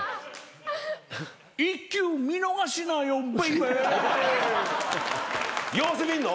「１球見逃しなよＢａｂｙ」様子見んの？